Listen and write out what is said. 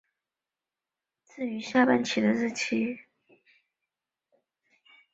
至于下半旗的日期和场所则由国家成立的治丧委员会或国务院决定。